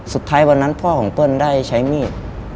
สุดท้ายวันนั้นพ่อของเปิ้ลได้ใช้มีด